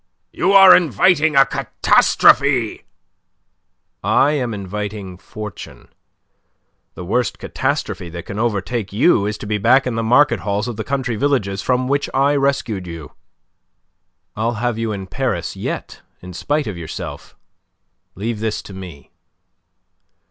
"You are inviting a catastrophe." "I am inviting fortune. The worst catastrophe that can overtake you is to be back in the market halls of the country villages from which I rescued you. I'll have you in Paris yet in spite of yourself. Leave this to me."